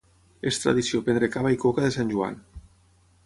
És tradició prendre cava i coca de Sant Joan.